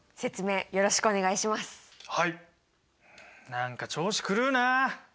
何か調子狂うなあ。